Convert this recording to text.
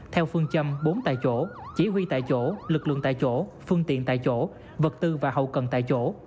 theo phương châm bốn tại chỗ chỉ huy tại chỗ lực lượng tại chỗ phương tiện tại chỗ vật tư và hậu cần tại chỗ